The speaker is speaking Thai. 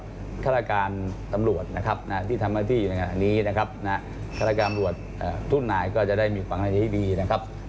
ก็เป็นกำลังการตำรวจนะครับที่ทำพัฒนาที่อยู่ทางนี้ก็จะได้มีกว่างนักอาจารย์ให้ดีนะครับ